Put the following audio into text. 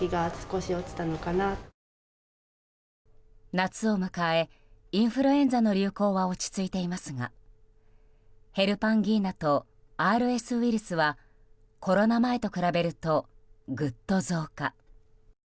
夏を迎え、インフルエンザの流行は落ち着いていますがヘルパンギーナとＲＳウイルスはコロナ前と比べるとぐっと増加。